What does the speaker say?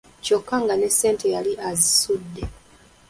Kyokka nga ne ssente yali azisudde.